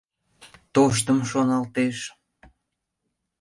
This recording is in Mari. — Тоштым шоналтеш...